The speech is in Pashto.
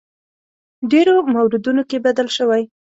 ډېرو موردونو کې بدل شوی.